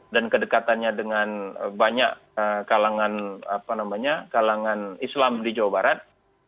dan kedekatannya dengan banyak kalangan apa namanya kalangan islam di jawa barat